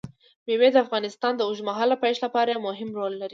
مېوې د افغانستان د اوږدمهاله پایښت لپاره مهم رول لري.